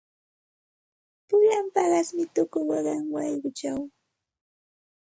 Pulan paqasmi tuku waqan wayquchaw.